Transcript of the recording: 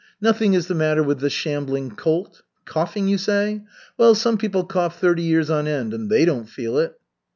Nothing is the matter with the shambling colt. Coughing, you say! Well, some people cough thirty years on end and they don't feel it."